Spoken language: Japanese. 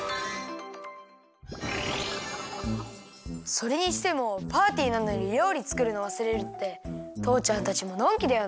それにしてもパーティーなのにりょうりつくるのわすれるってとうちゃんたちものんきだよな。